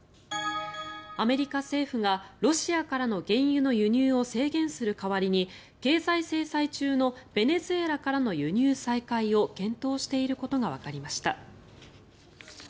アメリカ政府がロシアからの原油の輸入を制限する代わりに経済制裁中のベネズエラからの輸入再開を検討していることがわかりました。